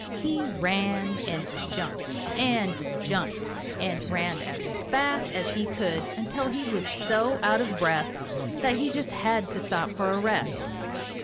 He ran and jumped and jumped and ran as fast as he could until he was so out of breath that he just had to stop for a rest.